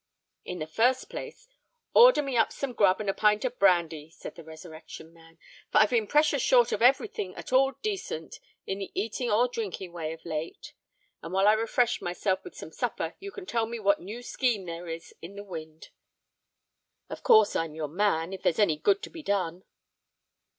"In the first place, order me up some grub and a pint of brandy," said the Resurrection Man; "for I've been precious short of every thing at all decent in the eating or drinking way of late;—and while I refresh myself with some supper, you can tell me what new scheme there is in the wind. Of course I'm your man, if there's any good to be done."